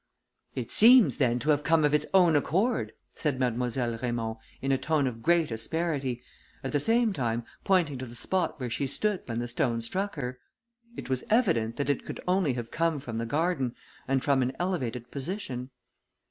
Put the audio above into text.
"It seems, then, to have come of its own accord," said Mademoiselle Raymond, in a tone of great asperity, at the same time pointing to the spot where she stood when the stone struck her: it was evident that it could only have come from the garden, and from an elevated position.